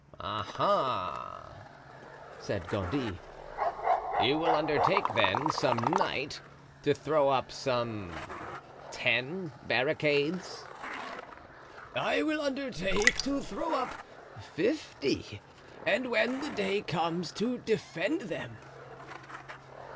"Ah, ah," said Gondy, "you will undertake, then, some night, to throw up some ten barricades?" "I will undertake to throw up fifty, and when the day comes, to defend them."